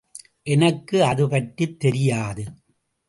எனக்கு அதுபற்றி தெரியாது.